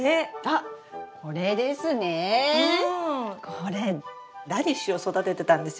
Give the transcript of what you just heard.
これラディッシュを育ててたんですよね。